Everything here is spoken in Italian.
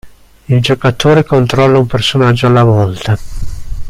Il giocatore controlla un personaggio alla volta.